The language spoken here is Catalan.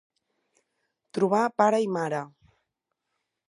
Trobar pare i mare.